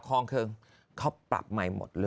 คลองเคืองเขาปรับใหม่หมดเลย